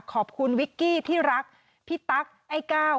ขอบคุณวิกกี้ที่รักพี่ตั๊กไอ้ก้าว